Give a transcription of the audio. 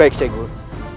baik sheikh guru